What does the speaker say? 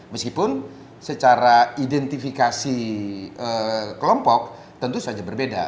meskipun secara identifikasi kelompok tentu saja berbeda